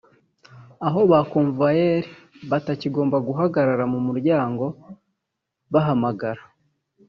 aho ba convayeur batakigomba guhagarara mu muryango bahamagara